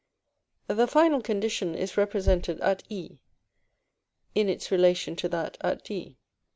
The final condition is represented at E, in its relation to that at D.